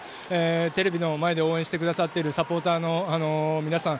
テレビの前で応援してくださっているサポーターの皆さん